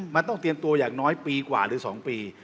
มันต้องเตรียมตัวอย่างน้อยปีกว่าหรือ๒ปี